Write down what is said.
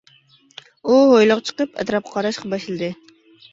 ئۇ ھويلىغا چىقىپ ئەتراپقا قاراشقا باشلىدى.